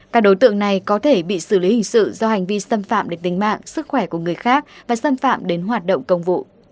các đối tượng này có thể bị xử lý hình sự do hành vi xâm phạm đến tính mạng sức khỏe của người khác và xâm phạm đến hoạt động công vụ